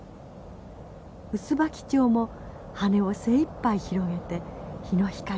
ウスバキチョウも羽を精いっぱい広げて日の光を求めています。